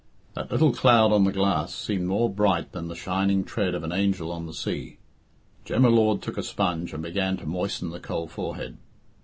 That little cloud on the glass seemed more bright than the shining tread of an angel on the sea. Jem y Lord took a sponge and began to moisten the cold forehead.